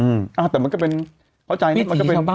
อืมอ่าแต่มันก็เป็นเอาใจอืม